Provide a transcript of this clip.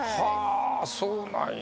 そうなんや。